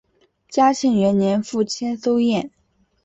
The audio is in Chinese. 嘉庆元年赴千叟宴。